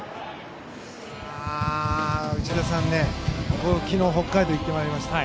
内田さん、僕、昨日北海道行ってまいりました。